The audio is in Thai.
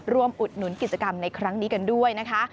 อุดหนุนกิจกรรมในครั้งนี้กันด้วยนะคะ